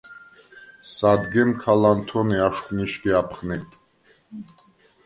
სადგემ ქა ლანთონე აშხვ ნიშგე აფხნეგდ: